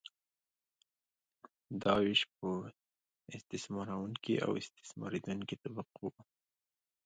دا ویش په استثمارونکې او استثماریدونکې طبقو وو.